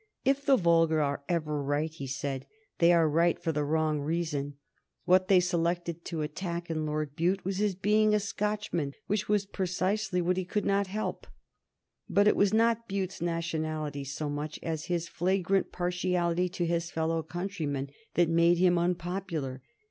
"If the vulgar are ever right," he said, "they are right for the wrong reason. What they selected to attack in Lord Bute was his being a Scotchman, which was precisely what he could not help." But it was not Bute's nationality, so much as his flagrant partiality to his fellow countrymen, that made him unpopular.